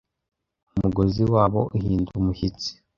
umugozi wabo uhinda umushyitsi